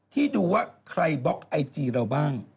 ที่ดูว่าใครบล็อกไอจีเราบ้าง